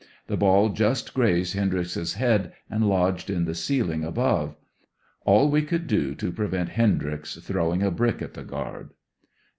The ball just grazed Hendryx's head and lodged in the ceiling above; all we could do to prevent Hendryx throwing a brick at the guard.